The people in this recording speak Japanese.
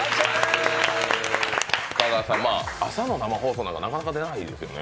朝の生放送なんかは、なかなか出ないですよね。